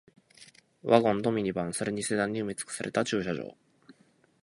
ワゴンとミニバン、それにセダンに埋め尽くされた駐車場